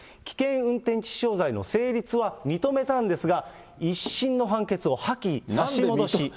危険運転致死傷罪の成立は認めたんですが、１審の判決を破棄、差し戻し。